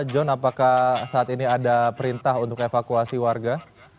john apakah saat ini ada perintah untuk evakuasi warga